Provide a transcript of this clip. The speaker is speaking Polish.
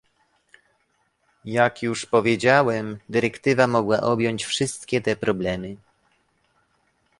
Jak już powiedziałem, dyrektywa mogła objąć wszystkie te problemy